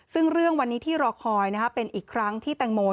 ซึ่งเรื่องวันนี้ที่รอคอยเป็นอีกครั้งที่แตงโม